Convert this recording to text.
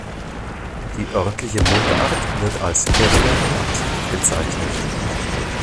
Die örtliche Mundart wird als „Kirner Platt“ bezeichnet.